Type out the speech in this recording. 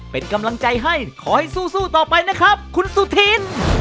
เป็นกำลังใจให้ขอให้สู้ต่อไปนะครับคุณสุธิน